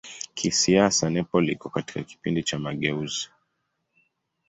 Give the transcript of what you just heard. Kisiasa Nepal iko katika kipindi cha mageuzi.